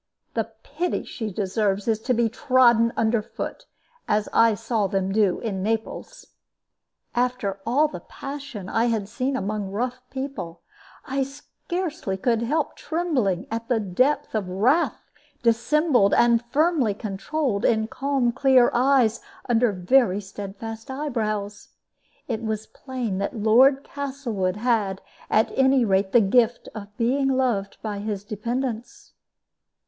The pity she deserves is to be trodden under foot, as I saw them do in Naples." After all the passion I had seen among rough people, I scarcely could help trembling at the depth of wrath dissembled and firmly controlled in calm clear eyes under very steadfast eyebrows. It was plain that Lord Castlewood had, at any rate, the gift of being loved by his dependents.